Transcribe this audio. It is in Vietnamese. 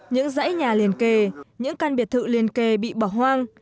những dãy nhà liền kề những căn biệt thự liền kề bị bỏ hoang